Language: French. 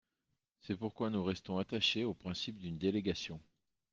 C’est pourquoi nous restons attachés au principe d’une délégation.